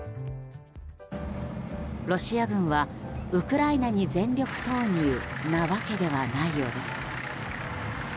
ロシア軍はウクライナに全力投入なわけではないようです。